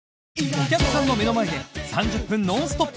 お客さんの目の前で３０分ノンストップ！